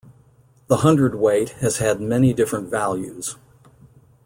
The hundredweight has had many different values.